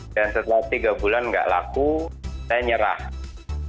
dan setelah tiga bulan nggak laku dan setelah tiga bulan nggak laku